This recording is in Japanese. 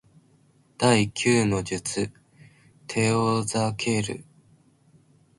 第九の術テオザケル